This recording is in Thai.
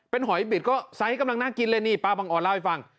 หอยบิดก็ไซส์กำลังน่ากินเลยนี่ป้าบังออนเล่าให้ฟัง